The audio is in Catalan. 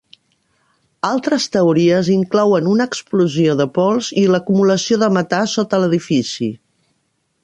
Altres teories inclouen una explosió de pols i l'acumulació de metà sota l'edifici.